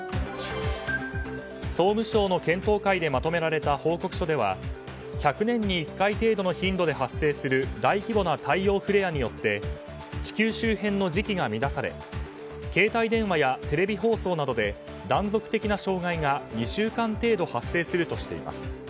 総務省の検討会でまとめられた報告書では１００年に１回程度の頻度で発生する大規模な太陽フレアによって地球周辺の磁気が乱され携帯電話やテレビ放送などで断続的な障害が２週間程度発生するとしています。